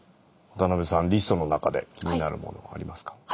渡辺さんリストの中で気になるものありますか？